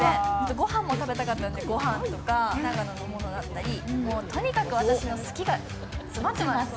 ご飯も食べたかったのでご飯とか、長野のものだったり、とにかく私の好きが詰まってます。